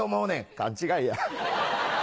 勘違いや。